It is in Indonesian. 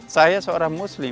saya seorang muslim